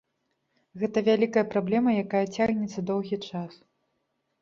Гэта вялікая праблема, якая цягнецца доўгі час.